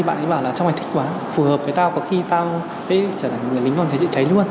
bạn ấy bảo là trong này thích quá phù hợp với tao và khi tao sẽ trở thành người lính phòng cháy chữa cháy luôn